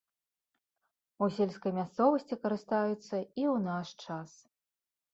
У сельскай мясцовасці карыстаюцца і ў наш час.